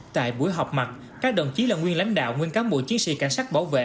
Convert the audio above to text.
tại buổi họp mặt các đồng chí là nguyên lãnh đạo nguyên cán bộ chiến sĩ cảnh sát bảo vệ